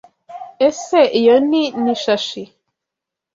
Ese Iyo ni nishashi